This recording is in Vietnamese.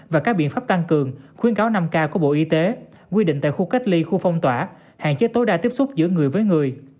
và các biện pháp tăng cường khuyến cáo năm k của bộ y tế quy định tại khu cách ly khu phong tỏa hạn chế tối đa tiếp xúc giữa người với người